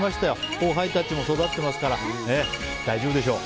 後輩たちも育っているので大丈夫でしょう。